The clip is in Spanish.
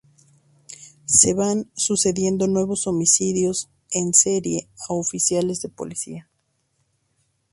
Se van sucediendo nuevos homicidios en serie a oficiales de policía.